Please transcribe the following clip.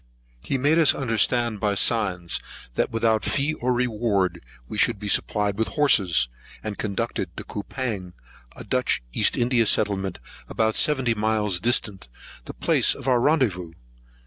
He made us understand by signs, that without fee or reward we should be supplied with horses, and conducted to Coupang, a Dutch East India settlement, about seventy miles distant, the place of our rendezvous.